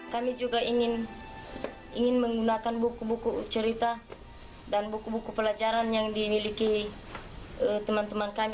kami juga ingin menggunakan buku buku cerita dan buku buku pelajaran yang dimiliki teman teman kami